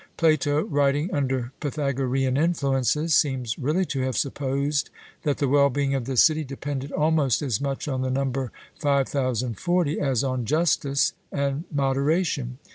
Plato, writing under Pythagorean influences, seems really to have supposed that the well being of the city depended almost as much on the number 5040 as on justice and moderation.